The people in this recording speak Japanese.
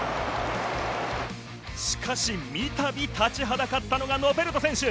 しかし、三度立ちはだかったのが、ノペルト選手。